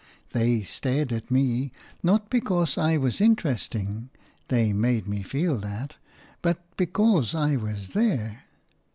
They stared at me, not because I was interesting – they made me feel that – but because I was there.